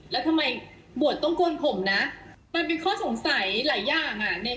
แล้วทำไมบวชต้องโกนผมนะมันเป็นข้อสงสัยหลายอย่างอ่ะ